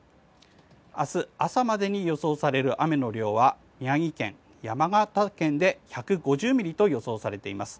明日朝までに予想される雨の量は宮城県、山形県で１５０ミリと予想されています。